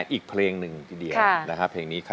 ดีใจค่ะ